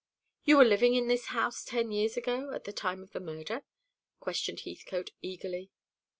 "You were living in this house ten years ago, at the time of the murder?" questioned Heathcote eagerly.